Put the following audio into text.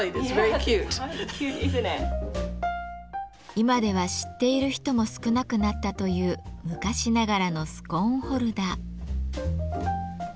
今では知っている人も少なくなったという昔ながらのスコーンホルダー。